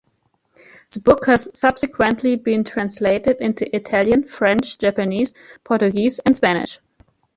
The book has subsequently been translated into Italian, French, Japanese, Portuguese and Spanish.